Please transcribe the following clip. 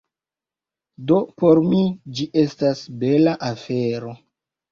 do por mi ĝi estas bela afero